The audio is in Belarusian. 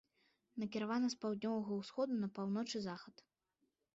Накіравана з паўднёвага ўсходу на паўночны захад.